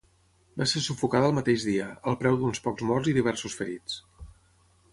Va ser sufocada el mateix dia, al preu d'uns pocs morts i diversos ferits.